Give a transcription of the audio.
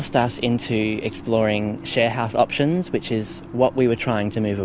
yaitu apa yang kami mencoba untuk memindahkannya